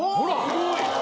すごい！